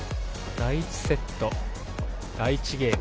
第１セット、第１ゲーム。